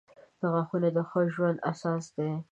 • غاښونه د ښه ژوند اساس دي.